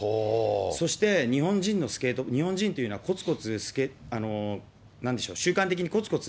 そして、日本人のスケート、日本人というのは、こつこつ、なんでしょう、習慣的にこつこつ